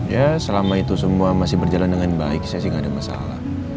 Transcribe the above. ya selama itu semua masih berjalan dengan baik saya sih nggak ada masalah